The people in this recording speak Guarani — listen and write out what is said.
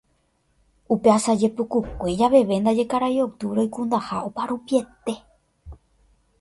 Upe asaje pukukue javeve ndaje Karai Octubre oikundaha oparupiete